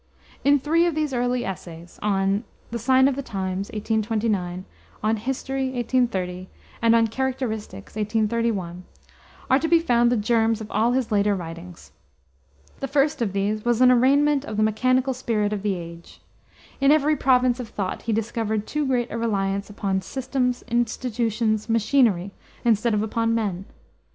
In three of these early essays on the Signs of the Times, 1829; on History, 1830; and on Characteristics, 1831 are to be found the germs of all his later writings. The first of these was an arraignment of the mechanical spirit of the age. In every province of thought he discovered too great a reliance upon systems, institutions, machinery, instead of upon men.